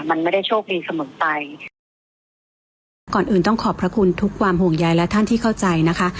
มันไม่ได้โชคดีเสมอไปนะคะก่อนอื่นต้องขอบพระคุณทุกความห่วงใยและท่านที่เข้าใจนะคะ